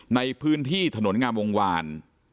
ในพื้นที่ถนนงามวงวาน